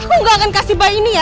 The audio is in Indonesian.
aku gak akan kasih bayi ini ya